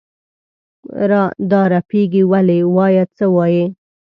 دا رپېږې ولې؟ وایه څه وایې؟